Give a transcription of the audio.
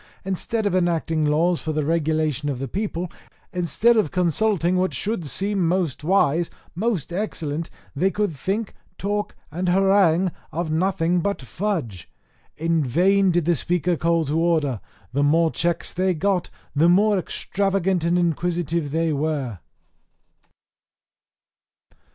Instead of enacting laws for the regulation of the people, instead of consulting what should seem most wise, most excellent, they could think, talk, and harangue of nothing but fudge. In vain did the Speaker call to order; the more checks they got the more extravagant and inquisitive they were.